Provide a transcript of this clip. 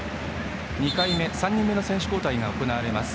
２回目、３人目の選手交代が行われます